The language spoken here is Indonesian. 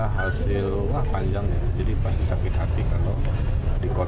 hasil susah hasil